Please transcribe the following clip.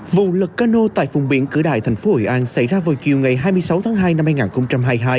vụ lật cano tại vùng biển cửa đại tp hội an xảy ra vào chiều ngày hai mươi sáu tháng hai năm hai nghìn hai mươi hai